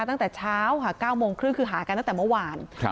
ตั้งแต่เช้าค่ะ๙โมงครึ่งคือหากันตั้งแต่เมื่อวาน